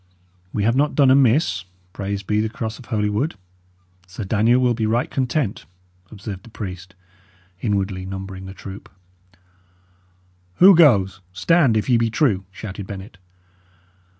"We have not done amiss, praised be the cross of Holywood! Sir Daniel will be right well content," observed the priest, inwardly numbering the troop. "Who goes? Stand! if ye be true!" shouted Bennet.